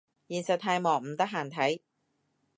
現實太忙唔得閒睇